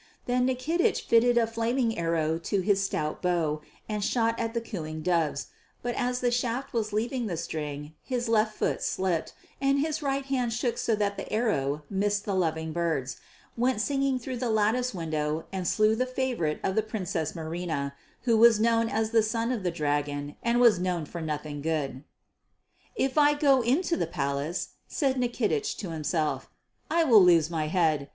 Then Nikitich fitted a flaming arrow to his stout bow and shot at the cooing doves, but as the shaft was leaving the string his left foot slipped and his right hand shook so that the arrow missed the loving birds, went singing through the lattice window and slew the favourite of the Princess Marina who was known as the Son of the Dragon and was known for nothing good. "If I go into the palace," said Nikitich to himself, "I shall lose my head.